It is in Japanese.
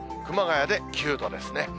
熊谷で９度ですね。